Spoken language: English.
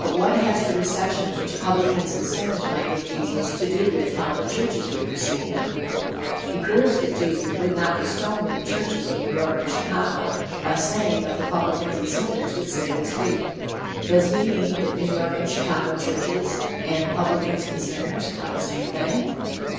But what has the reception which publicans and sinners might give Jesus to do with how the churches would receive him? He proves that Jesus would not be stoned in the churches of New York and Chicago by saying that the "publicans and sinners would sit at his feet." Does he mean that "New York and Chicago churches" and "publicans and sinners" are the same thing?